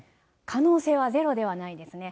可能性はゼロではないですね。